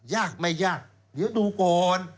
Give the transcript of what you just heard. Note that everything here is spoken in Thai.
ยากไม่ยากเดี๋ยวดูก่อน